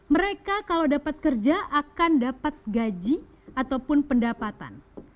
mereka kalau dapat kerja akan dapat gaji ataupun pendapatan